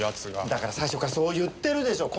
だから最初からそう言ってるでしょ！